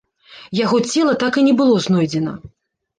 Яго цела так і не было знойдзена.